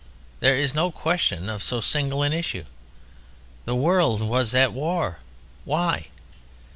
There is no question of so single an issue. The world was at war. Why?